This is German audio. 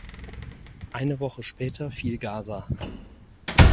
Eine Woche später fiel Gaza.